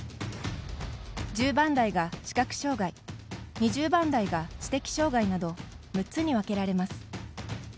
１０番台が視覚障がい２０番台が知的障がいなど６つに分けられます。